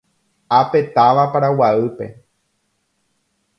Ápe táva Paraguaýpe.